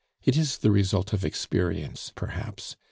It is the result of experience perhaps.